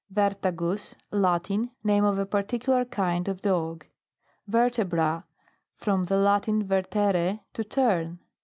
VERTAGUS. Latin. Name of a par ticular kind of dog. VERTEBRA. From the Latin, vcrtere, to turn.